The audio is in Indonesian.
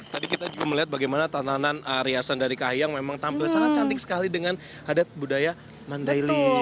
tadi kita juga melihat bagaimana tatanan riasan dari kahiyang memang tampil sangat cantik sekali dengan adat budaya mandailing